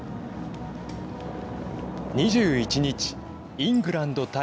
２１日イングランド対